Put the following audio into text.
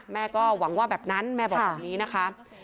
แม่ก็หวังว่าแบบนั้นแม่บอกแบบนี้นะคะ